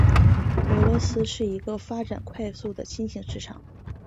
俄罗斯是一个发展快速的新型市场。